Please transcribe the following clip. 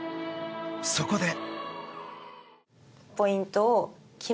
そこで。